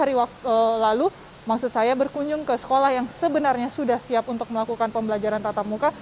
maksud saya berkunjung beberapa hari lalu maksud saya berkunjung ke sekolah yang sebenarnya sudah siap untuk melakukan pembelajaran tatap muka